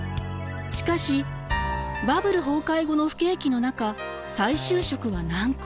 しかしバブル崩壊後の不景気の中再就職は難航。